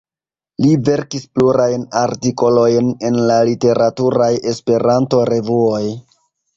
Li verkis plurajn artikolojn en la literaturaj esperanto-revuoj.